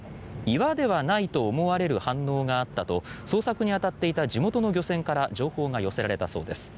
岩ではないと思われる反応があったと捜索に当たっていた地元の漁船から情報が寄せられたそうです。